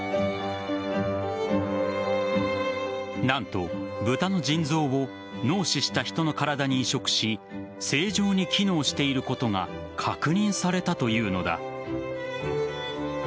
何と、ブタの腎臓を脳死したヒトの体に移植し正常に機能していることが確認されたというのだ。